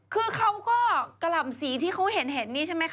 คือเขาก็กะหล่ำสีที่เขาเห็นนี่ใช่ไหมคะ